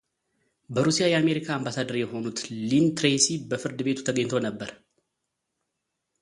በሩሲያ የአሜሪካ አምባሳደር የሆኑት ሊን ትሬሲ በፍርድ ቤቱ ተገኝተው ነበር።